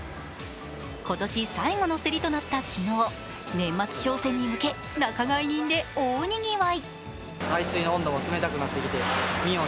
今年最後の競りとなった昨日、年末商戦に向け、仲買人で大にぎわい。